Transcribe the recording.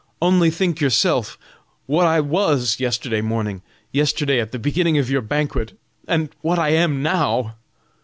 Only think yourself what I was yesterday morning, yesterday at the beginning of your banquet, and what I am now!"